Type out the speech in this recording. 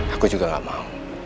aku juga gak mau